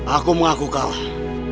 aku mengaku kalah